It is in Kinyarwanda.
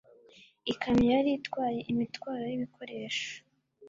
Ikamyo yari itwaye imitwaro y'ibikoresho.